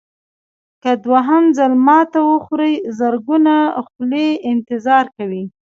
که دوهم ځل ماتې وخورئ زرګونه خولې انتظار کوي.